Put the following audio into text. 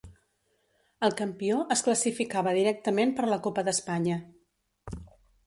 El campió es classificava directament per la Copa d'Espanya.